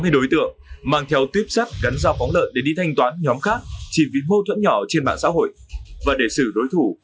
hai mươi đối tượng mang theo tuyếp sắt gắn dao phóng lợn để đi thanh toán nhóm khác chỉ vì mâu thuẫn nhỏ trên mạng xã hội và để xử đối thủ